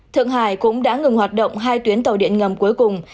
thượng hải cũng đã ngừng hoạt động hai tuyến tàu điện ngầm cuối cùng